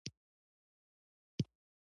محمود ډېر ظالم انسان دی